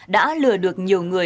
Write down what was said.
đã lừa được nhiều người